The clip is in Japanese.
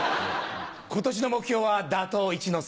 今年の目標は「打倒一之輔」。